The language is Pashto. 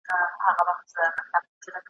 یو د بل په صفتونو به ګویان وه ,